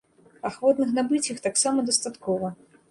Ахвотных набыць іх таксама дастаткова.